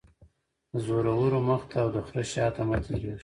- د زورور مخ ته او دخره شاته مه تیریږه.